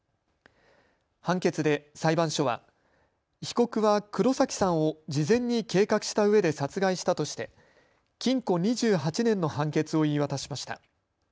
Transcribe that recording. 判決で裁判所は被告は黒崎さんを事前に計画したうえで殺害したとして禁錮２８年の判決を言い渡しました。